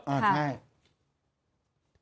ใช่